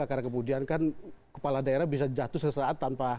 karena kemudian kan kepala daerah bisa jatuh sesaat tanpa